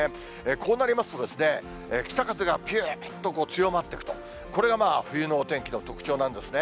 こうなりますと、北風がぴゅーっと強まってくると、これが冬のお天気の特徴なんですね。